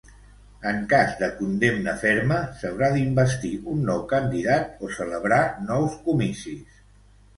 En cas de condemna ferma, s'haurà d'investir un nou candidat o celebrar nous comicis.